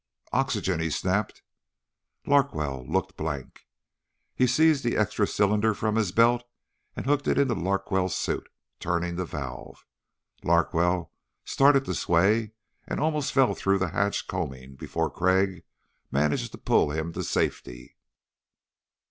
"Oxygen," he snapped. Larkwell looked blank. He seized the extra cylinder from his belt and hooked it into Larkwell's suit, turning the valve. Larkwell started to sway, and almost fell through the hatch combing before Crag managed to pull him to safety.